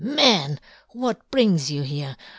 " Man — what brings you " here